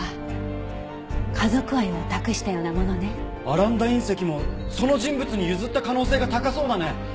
アランダ隕石もその人物に譲った可能性が高そうだね！